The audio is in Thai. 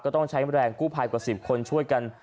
ต้องใช้แรงกู้ภัยกว่า๑๐คนช่วยกัน